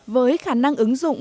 với khả năng ứng dụng